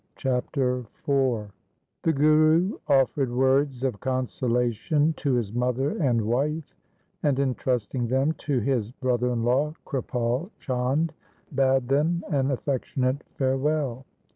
Chapter IV The Guru offered words of consolation to his mother and wife, and, entrusting them to his brother in law Kripal Chand, bade them an affectionate farewell.